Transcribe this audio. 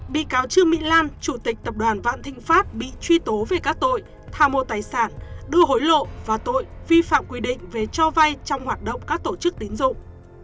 bị cáo trương mỹ lan chủ tịch tập đoàn vạn thịnh pháp bị truy tố về các tội tha mô tài sản đưa hối lộ và tội vi phạm quy định về cho vay trong hoạt động các tổ chức tín dụng